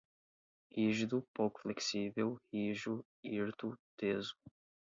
rígido, pouco flexível, rijo, hirto, teso